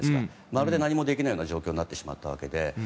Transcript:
まるで何もできないような状況になってしまったわけで。